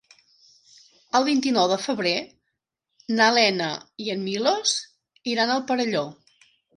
El vint-i-nou de febrer na Lena i en Milos iran al Perelló.